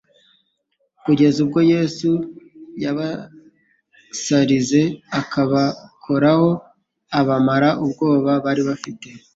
kugeza ubwo Yesu yabasarize akabakoraho, abamara ubwoba bari bafite,